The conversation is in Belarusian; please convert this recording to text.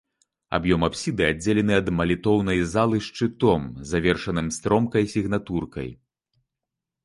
Аб'ём апсіды аддзелены ад малітоўнай залы шчытом, завершаным стромкай сігнатуркай.